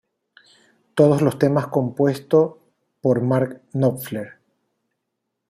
Todos los temas compuesto por Mark Knopfler.